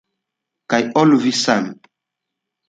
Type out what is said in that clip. Kaj al vi same.